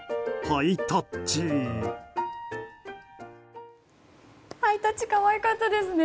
ハイタッチ可愛かったですね。